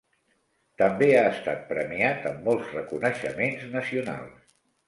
També ha estat premiat amb molts reconeixements nacionals.